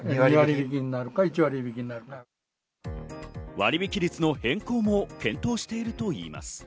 割引率の変更も検討しているといいます。